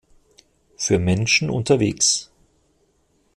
Für Menschen unterwegs.